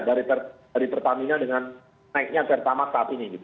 dari pertamina dengan naiknya pertamax saat ini